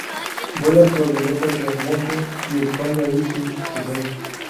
Vuela su avioneta hacia el monte y esconde ahí sus trofeos.